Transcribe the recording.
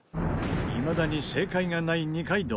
いまだに正解がない二階堂。